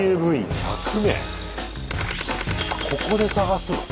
あここで探すの？